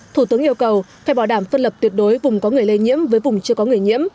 thủ tướng yêu cầu phải bảo đảm phân lập tuyệt đối vùng có người lây nhiễm với vùng chưa có người nhiễm